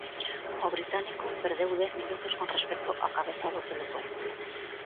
O británico perdeu dez minutos con respecto á cabeza do pelotón.